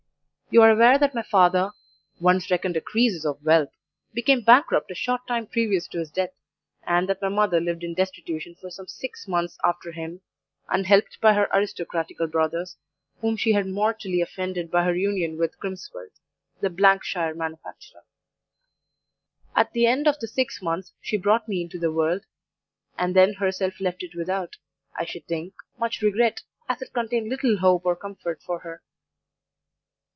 You are aware that my father once reckoned a Croesus of wealth became bankrupt a short time previous to his death, and that my mother lived in destitution for some six months after him, unhelped by her aristocratical brothers, whom she had mortally offended by her union with Crimsworth, the shire manufacturer. At the end of the six months she brought me into the world, and then herself left it without, I should think, much regret, as it contained little hope or comfort for her.